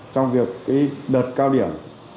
trong việc đợt cao điểm